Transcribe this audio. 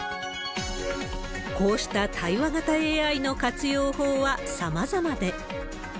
こうした対話型ＡＩの活用法はさまざまで。